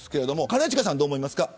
兼近さん、どう思いますか。